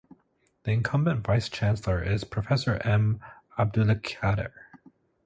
The incumbent Vice Chancellor is Professor M. Abdulkadir.